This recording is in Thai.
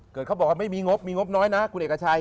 เขาบอกว่าไม่มีงบมีงบน้อยนะคุณเอกชัย